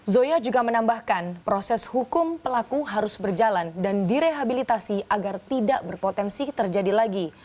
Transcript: zoya juga menambahkan proses hukum pelaku harus berjalan dan direhabilitasi agar tidak berpotensi terjadi lagi